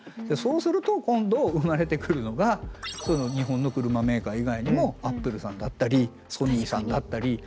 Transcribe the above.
そうすると今度生まれてくるのが日本の車メーカー以外にもアップルさんだったりソニーさんだったり。